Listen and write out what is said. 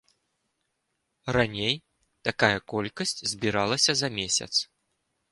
Раней такая колькасць збіралася за месяц.